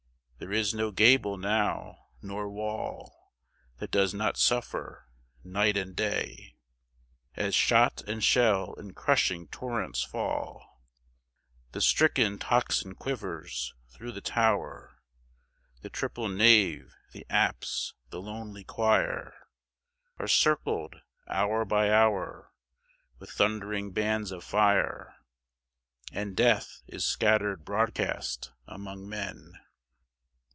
There is no gable now, nor wall That does not suffer, night and day, As shot and shell in crushing torrents fall. The stricken tocsin quivers through the tower; The triple nave, the apse, the lonely choir Are circled, hour by hour, With thundering bands of fire And Death is scattered broadcast among men.